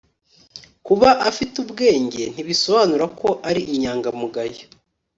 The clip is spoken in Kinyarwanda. kuba afite ubwenge, ntibisobanura ko ari inyangamugayo